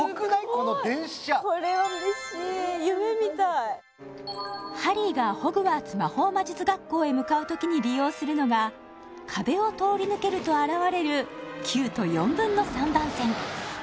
この電車・これは嬉しい夢みたいハリーがホグワーツ魔法魔術学校へ向かう時に利用するのが壁を通り抜けると現れる９と３／４番線